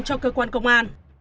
cho cơ quan công an